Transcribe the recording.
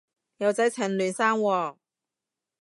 有仔趁嫩生喎